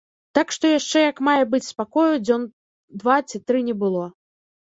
Так што яшчэ як мае быць спакою дзён два ці тры не было.